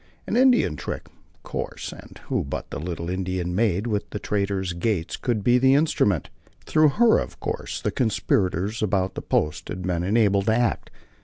An Indian trick, of course, and who but the little Indian maid within the trader's gates could be the instrument! Through her, of course, the conspirators about the post had been enabled to act.